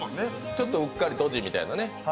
ちょっとうっかりドジみたいなね。